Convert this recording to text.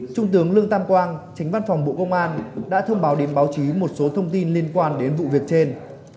trung tướng lương tam quang tránh văn phòng bộ công an đã thông báo đến báo chí một số thông tin liên quan đến vụ việc trên